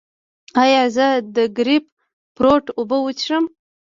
ایا زه د ګریپ فروټ اوبه وڅښم؟